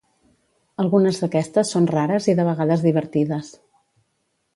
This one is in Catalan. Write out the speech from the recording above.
Algunes d'aquestes són rares i de vegades divertides.